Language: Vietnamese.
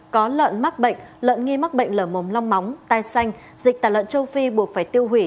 có lợn mắc bệnh lợn nghi mắc bệnh lở mồm long móng tai xanh dịch tả lợn châu phi buộc phải tiêu hủy